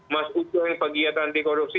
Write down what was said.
mas uce yang pegiat anti korupsi